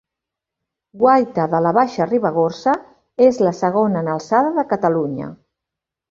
Guaita de la Baixa Ribagorça, és la segona en alçada de Catalunya.